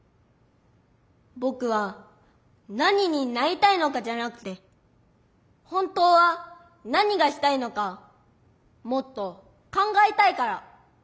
ぼくは何になりたいのかじゃなくて本当は何がしたいのかもっと考えたいから。